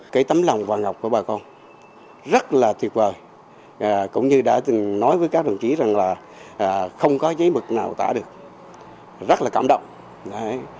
cái tấm lòng và ngọc của bà con rất là tuyệt vời cũng như đã từng nói với các đồng chí rằng là không có giấy mực nào tả được rất là cảm động